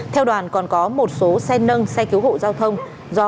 theo đoàn còn có một số xe nâng xe cứu hộ giao thông do